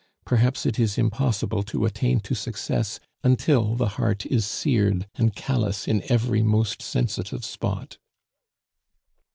Perhaps it is impossible to attain to success until the heart is seared and callous in every most sensitive spot."